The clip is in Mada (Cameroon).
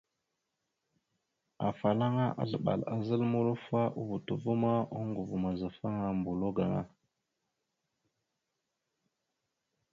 Afalaŋa aslaɓal a zal mulofa o voto ava ma, oŋgov mazafaŋa mbolo gaŋa.